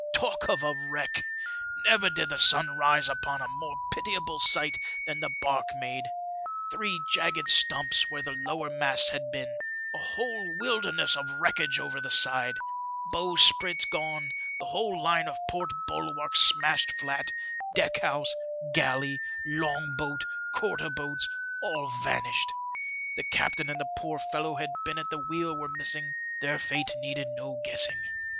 Talk of a wreck ! Never did the sun rise upon a more pitiable sight than the barque made ; three jagged stumps where the lower masts had been ; a whole wilderness of wreckage over the side ; bowsprit gone, the whole line of port bulwarks smashed flat, deck house, galley, long boat, quarter boats — all vanished. The captain and the poor fellow who had been at the wheel were missing, their fate needed no guessing.